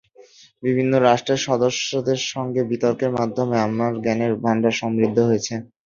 বিভিন্ন রাষ্ট্রের সদস্যদের সঙ্গে বিতর্কের মাধ্যমে আমার জ্ঞানের ভান্ডার সমৃদ্ধ হয়েছে।